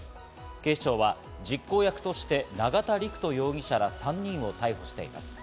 警視庁は実行役として永田陸人容疑者ら３人を逮捕しています。